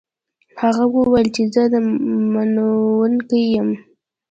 هغه وویل چې زه منونکی یم.